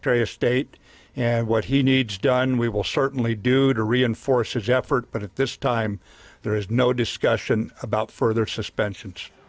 tapi pada saat ini tidak ada diskusi tentang penundaan militer lagi